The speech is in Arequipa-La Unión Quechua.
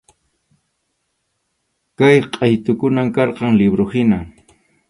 Kay qʼaytukunam karqan liwruhina.